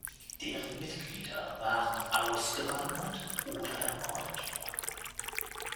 Deren Mitglieder waren ausgewandert oder ermordet worden.